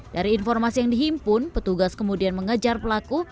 dari informasi yang dihimpun petugas kemudian mengejar pelaku